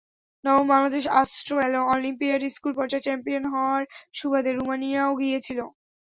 নবম বাংলাদেশ অ্যাস্ট্রো অলিম্পিয়াডে স্কুল পর্যায়ে চ্যাম্পিয়ন হওয়ার সুবাদে রুমানিয়াও গিয়েছিল।